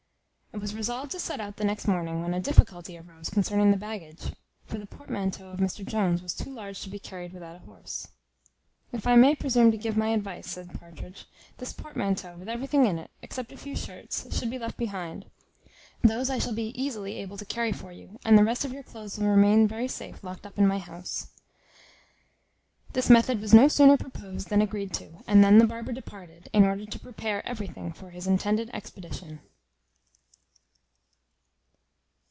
It was resolved to set out the next morning, when a difficulty arose concerning the baggage; for the portmanteau of Mr Jones was too large to be carried without a horse. "If I may presume to give my advice," says Partridge, "this portmanteau, with everything in it, except a few shirts, should be left behind. Those I shall be easily able to carry for you, and the rest of your cloaths will remain very safe locked up in my house." This method was no sooner proposed than agreed to; and then the barber departed, in order to prepare everything for his intended expedition.